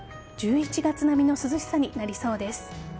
１１月並みの涼しさになりそうです。